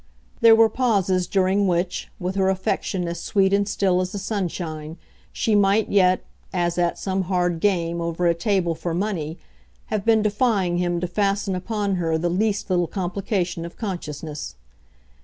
There were pauses during which, with her affection as sweet and still as the sunshine, she might yet, as at some hard game, over a table, for money, have been defying him to fasten upon her the least little complication of consciousness.